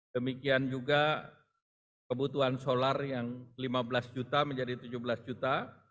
demikian juga kebutuhan solar yang lima belas juta menjadi tujuh belas juta